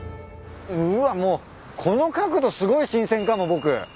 うわもうこの角度すごい新鮮かも僕。